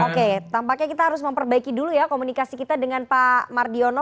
oke tampaknya kita harus memperbaiki dulu ya komunikasi kita dengan pak mardiono